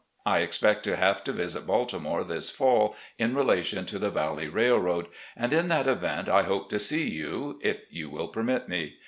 I expect to have to visit Baltimore this fall, in relation to the Valley Railroad, and in that event I hope to see you, if you will permit me.